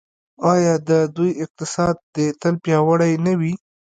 آیا د دوی اقتصاد دې تل پیاوړی نه وي؟